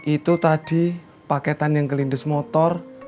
itu tadi paketan yang ke lindes motor